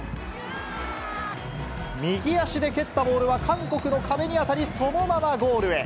右足で蹴ったボールは韓国の壁に当たり、そのままゴールへ。